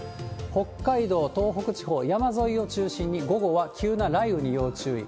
北海道、東北地方、山沿いを中心に、午後は急な雷雨に要注意。